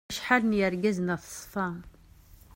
Acḥal n yergazen at ṣṣfa.